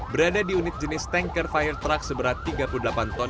berada di unit jenis tanker fire truck seberat tiga puluh delapan ton